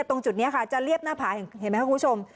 ตรงจุดนี้ค่ะจะเรียบหน้าผาเห็นไหมครับคุณผู้ชม